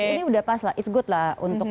ini udah pas lah it's good lah